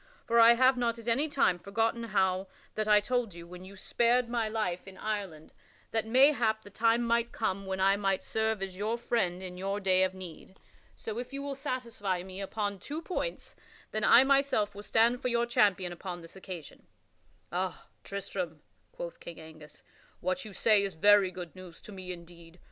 For I have not at any time forgotten how that I told you when you spared my life in Ireland that mayhap the time might come when I might serve as your friend in your day of need. So if you will satisfy me upon two points, then I myself will stand for your champion upon this occasion." "Ah, Tristram," quoth King Angus, "what you say is very good news to me indeed.